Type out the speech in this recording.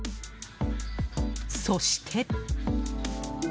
そして。